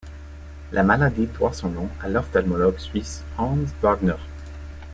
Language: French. La maladie doit son nom à l’ophtalmologue suisse Hans Wagner.